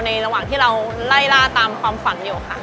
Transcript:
ระหว่างที่เราไล่ล่าตามความฝันอยู่ค่ะ